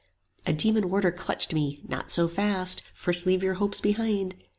A demon warder clutched me, Not so fast; 25 First leave your hopes behind!